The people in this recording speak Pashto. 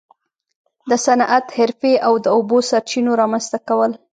د صنعت، حرفې او د اوبو سرچینو رامنځته کول.